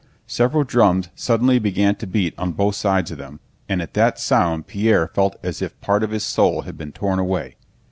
Several drums suddenly began to beat on both sides of them, and at that sound Pierre felt as if part of his soul had been torn away.